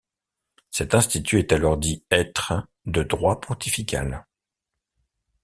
Cet institut est alors dit être 'de droit pontifical'.